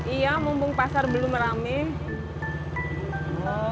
iya mumpung pasar belum rame